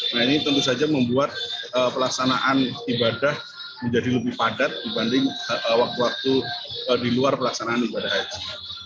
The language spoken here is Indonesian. nah ini tentu saja membuat pelaksanaan ibadah menjadi lebih padat dibanding waktu waktu di luar pelaksanaan ibadah haji